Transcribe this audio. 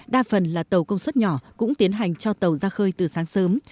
đa phần là tàu công suất nhỏ cũng tiến hành cho tàu ra khơi từ sáng sớm